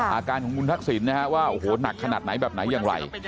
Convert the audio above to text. อาการของคุณทักษิณนะฮะว่าโอ้โหหนักขนาดไหนแบบไหนอย่างไร